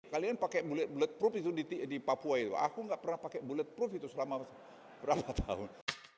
kalian pakai bulletproof itu di papua itu aku enggak pernah pakai bulletproof itu selama berapa tahun